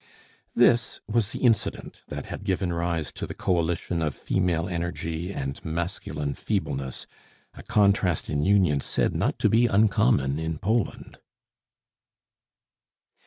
This was the incident that had given rise to the coalition of female energy and masculine feebleness a contrast in union said not to be uncommon in Poland.